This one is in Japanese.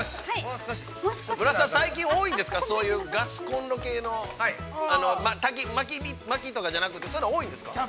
◆村田さん、最近多いんですか、そういうガスコンロ系の、まきとかじゃなくて、そういうの多いんですか。